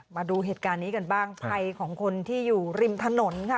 มาดูเหตุการณ์นี้กันบ้างภัยของคนที่อยู่ริมถนนค่ะ